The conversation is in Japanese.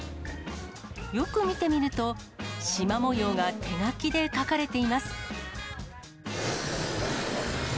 よく見てみると、しま模様が手書きで描かれています。